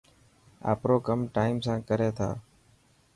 آپرو ڪم ٽائم سان ڪري ٿا.